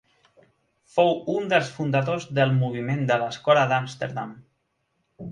Fou un dels fundadors del moviment de l'Escola d'Amsterdam.